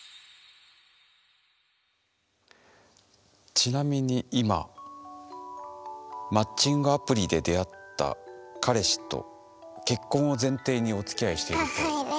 ちなみに今マッチングアプリで出会った彼氏と結婚を前提におつきあいしていると聞きました。